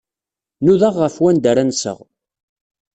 Nudaɣ ɣef wanda ara nseɣ.